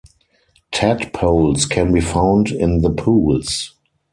Tadpoles can be found in the pools.